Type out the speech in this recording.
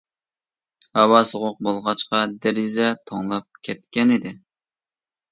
ھاۋا سوغۇق بولغاچقا، دېرىزە توڭلاپ كەتكەنىدى.